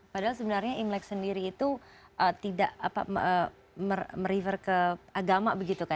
padahal sebenarnya imlek sendiri itu tidak merifer ke agama begitu kan